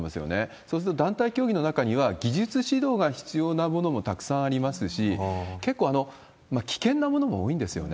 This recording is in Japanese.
そうすると団体競技の中には、技術指導が必要なものもたくさんありますし、結構、危険なものも多いんですよね。